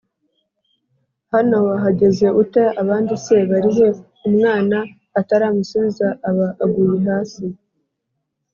Hano wahageze ute Abandi se bari he Umwana ataramusubiza aba aguye hasi